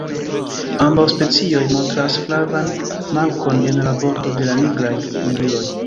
Ambaŭ specioj montras flavan markon en la bordo de la nigraj flugiloj.